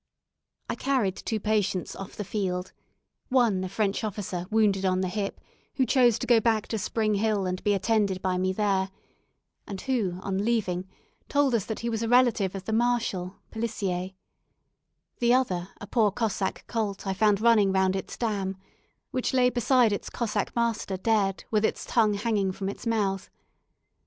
I carried two patients off the field; one a French officer wounded on the hip, who chose to go back to Spring Hill and be attended by me there, and who, on leaving, told us that he was a relative of the Marshal (Pelissier); the other, a poor Cossack colt I found running round its dam, which lay beside its Cossack master dead, with its tongue hanging from its mouth.